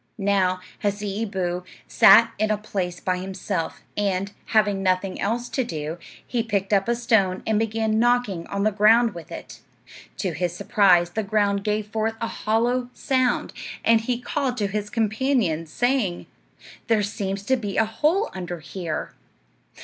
Now, Hasseeboo sat in a place by himself, and, having nothing else to do, he picked up a stone and began knocking on the ground with it. To his surprise the ground gave forth a hollow sound, and he called to his companions, saying, "There seems to be a hole under here."